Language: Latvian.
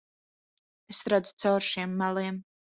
Es redzu cauri šiem meliem.